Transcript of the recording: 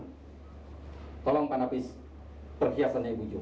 hai tolong pak nafis perhiasannya ibu jom